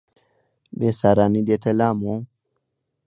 بێسارانی دێتە لام و